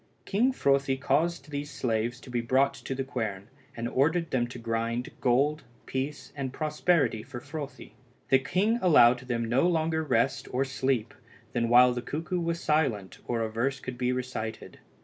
King Frothi caused these slaves to be brought to the quern, and ordered them to grind gold, peace, and prosperity for Frothi. The king allowed them no longer rest or sleep than while the cuckoo was silent or a verse could be recited.